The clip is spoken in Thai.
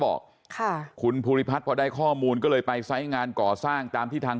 บอกค่ะคุณภูริพัฒน์พอได้ข้อมูลก็เลยไปไซส์งานก่อสร้างตามที่ทาง